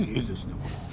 これ。